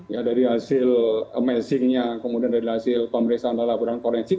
ya dari hasil amazing nya kemudian dari hasil pemeriksaan dari laboratorium forensik